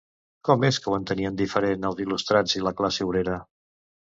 Com és que ho entenien diferent els il·lustrats i la classe obrera?